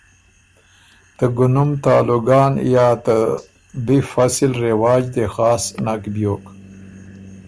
ته ګُنم ته آلوګان یا ته بی فصل رواج دې خاص نک بیوک۔